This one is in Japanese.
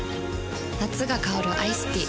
夏が香るアイスティー